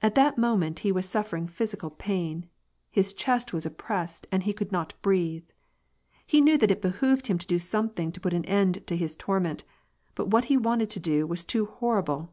At that moment, he was suffering physical pain : his chest was oppressed, and he could not breathe. He knew that it behooved him to do something to put an end to his torment, but what he wanted to do was too horrible.